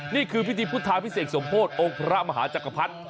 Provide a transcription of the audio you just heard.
นี่คือพิธีพุทธาพิเศษสมโพธิองค์พระมหาจักรพรรดิ